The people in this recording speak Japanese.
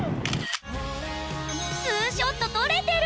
２ショット撮れてる！